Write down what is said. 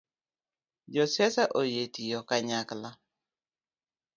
Josiasa oyie tiyo kanyakla